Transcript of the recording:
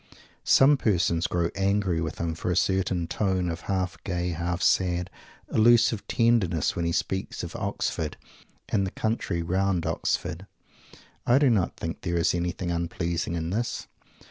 Some persons grow angry with him for a certain tone of half gay, half sad, allusive tenderness, when he speaks of Oxford and the country round Oxford. I do not think there is anything unpleasing in this.